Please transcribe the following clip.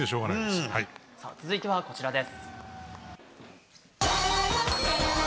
続いてはこちらです。